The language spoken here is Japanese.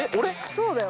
そうだよ。